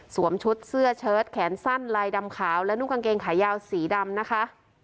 ชุดเสื้อเชิดแขนสั้นลายดำขาวและนุ่งกางเกงขายาวสีดำนะคะ